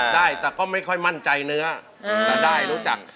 ได้แต่ก็ไม่ค่อยมั่นใจเนื้อแต่ได้รู้จัก